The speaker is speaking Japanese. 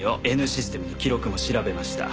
Ｎシステムで記録も調べました。